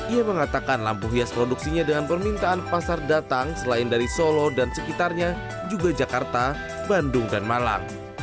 ia mengatakan lampu hias produksinya dengan permintaan pasar datang selain dari solo dan sekitarnya juga jakarta bandung dan malang